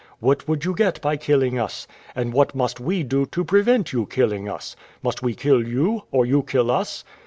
What would you get by killing us? And what must we do to prevent you killing us? Must we kill you, or you kill us?